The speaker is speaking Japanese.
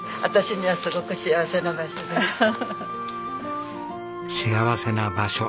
私にはすごく幸せな場所です。